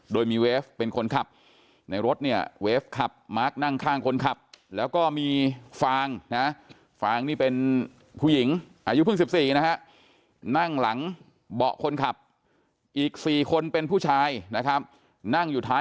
โดยมีเวฟเป็นคนขับในรถเนี่ยเวฟขับมาร์คนั่งข้างคนขับแล้วก็มีฟางนะฟางนี่เป็น